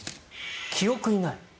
記憶にない。